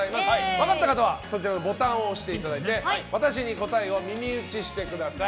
分かった方はボタンを押していただいて私に答えを耳打ちしてください。